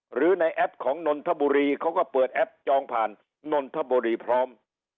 หรือในแอปของนนทบุรีเขาก็เปิดแอปจองผ่านนนทบุรีพร้อม